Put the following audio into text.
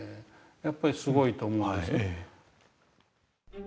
やっぱりすごいと思うんです。